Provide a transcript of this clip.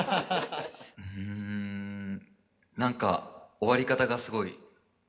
うん何か終わり方がすごい好きでした。